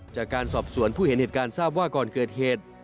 จากการสอบสวนผู้เห็นเหตุการณ์ทราบว่าก่อนเกิดเหตุ